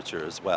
dù hà nội